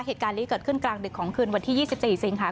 เหตุการณ์นี้เกิดขึ้นกลางดึกของคืนวันที่๒๔สิงหาค